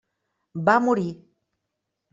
Va morir.